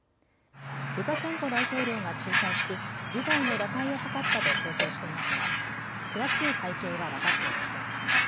ルカシェンコ大統領が仲介し事態の打開を図ったと強調していますが詳しい背景は分かっていません。